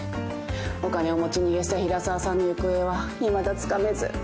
お金を持ち逃げした平沢さんの行方はいまだつかめず。